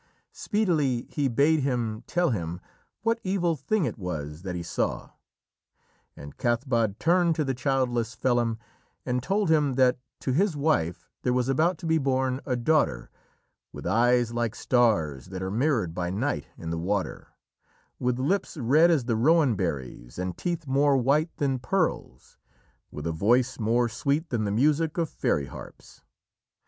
Speedily he bade him tell him what evil thing it was that he saw, and Cathbad turned to the childless Felim and told him that to his wife there was about to be born a daughter, with eyes like stars that are mirrored by night in the water, with lips red as the rowan berries and teeth more white than pearls; with a voice more sweet than the music of fairy harps.